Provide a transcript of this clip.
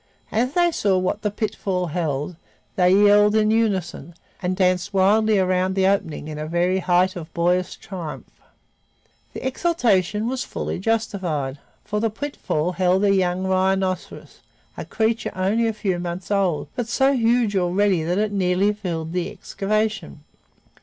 As they saw what the pitfall held, they yelled in unison, and danced wildly around the opening, in the very height of boyish triumph. The exultation was fully justified, for the pitfall held a young rhinoceros, a creature only a few months old, but so huge already that it nearly filled the excavation.